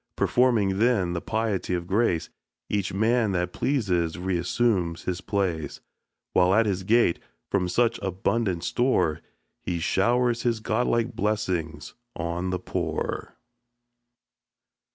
Performing, then, the piety of grace, Each man that pleases reassumes his place; While at his gate, from such abundant store, He showers his godlike blessings on the poor.